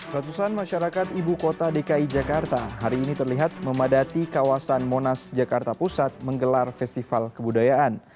ratusan masyarakat ibu kota dki jakarta hari ini terlihat memadati kawasan monas jakarta pusat menggelar festival kebudayaan